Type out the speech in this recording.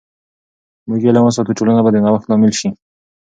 که موږ علم وساتو، ټولنه به د نوښت لامل سي.